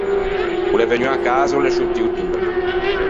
O l’é vegnuo à casa e o l’é sciortio torna.